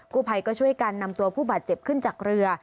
ผู้ภัยก็ช่วยกันนำตัวผู้บาดเจ็บขึ้นจากเรือ